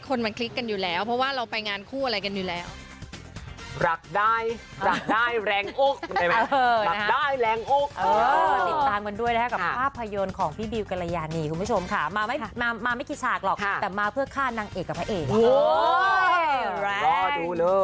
คนมันคลิกกันอยู่แล้วเพราะว่าเราไปงานคู่อะไรกันอยู่แล้ว